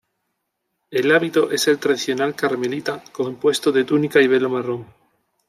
El hábito es el tradicional carmelita, compuesto de túnica y velo marrón.